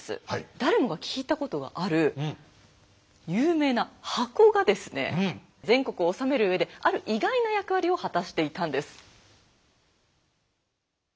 誰もが聞いたことがある有名な箱がですね全国を治めるうえである意外な役割を果たしていたんです。